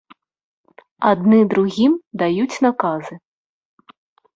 Адны другім даюць наказы.